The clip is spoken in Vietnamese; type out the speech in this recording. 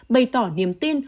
bày tỏ niềm tin